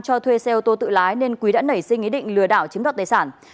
cho thuê xe ô tô tự lái nên quý đã nảy sinh ý định lừa đảo chiếm đoạt tài sản